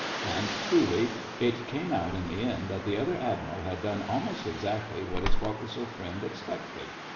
And truly, it came out in the end that the other Admiral had done almost exactly what his foc'sle friends expected.